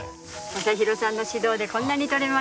正博さんの指導でこんなにとれました。